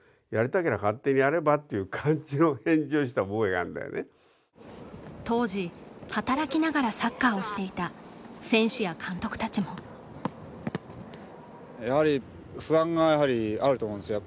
たけりゃ勝手にやれば？」っていう感じの返事をした覚えがあるんだよね当時働きながらサッカーをしていた選手や監督たちもやはり不安がやはりあると思うんですよ